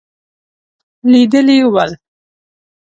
لیدلي ول.